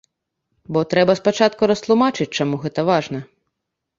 Бо трэба спачатку растлумачыць, чаму гэта важна.